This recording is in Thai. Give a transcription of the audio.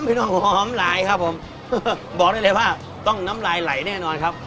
น้องหอมหลายครับผมบอกได้เลยว่าต้องน้ำลายไหลแน่นอนครับ